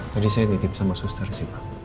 tadi saya titip sama suster sih pak